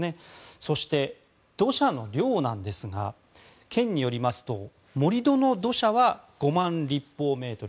そして、土砂の量ですが県によりますと盛り土の土砂は５万立方メートル。